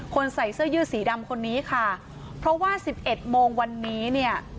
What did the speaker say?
ใส่เสื้อยืดสีดำคนนี้ค่ะเพราะว่าสิบเอ็ดโมงวันนี้เนี่ย